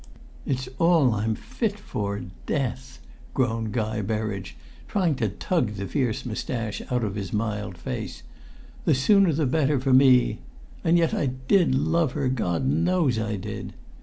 "It's all I'm fit for, death!" groaned Guy Berridge, trying to tug the fierce moustache out of his mild face. "The sooner the better, for me! And yet I did love her, God knows I did!"